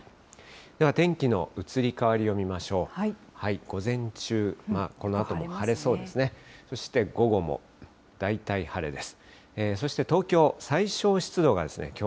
では天気の移り変わりを見ましょう。